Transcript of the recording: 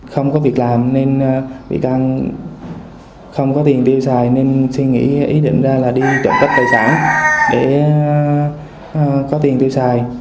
không có việc làm nên bị can không có tiền tiêu xài nên suy nghĩ ý định ra là đi trộm cắp tài sản để có tiền tiêu xài